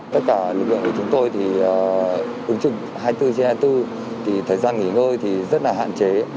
tất cả lực lượng của chúng tôi thì hai mươi bốn trên hai mươi bốn thì thời gian nghỉ ngơi rất là hạn chế